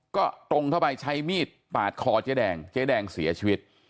ก็ตรงเข้าไปใช้มีดปาดคอเจ๊แดงเจ๊แดงเสียชีวิต